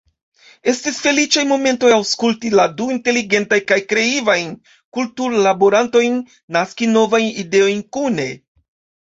Estis feliĉaj momentoj aŭskulti la du inteligentajn kaj kreivajn ”kulturlaborantojn” naski novajn ideojn kune.